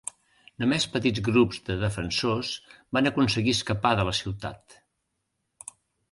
Només petits grups de defensors van aconseguir escapar de la ciutat.